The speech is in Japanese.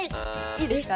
いいですか？